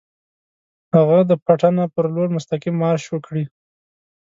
هغه د پټنه پر لور مستقیم مارش وکړي.